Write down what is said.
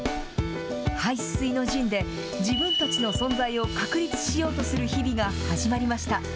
背水の陣で、自分たちの存在を確立しようとする日々が始まりました。